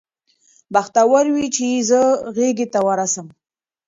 بختور وي چي یې زه غیږي ته ورسم